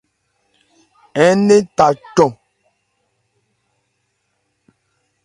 Ń nɛ́n tha cɔn.